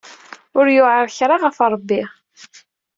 Ur yewɛir kra ɣef Ṛebbi.